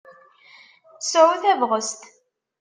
Sɛu tabɣest!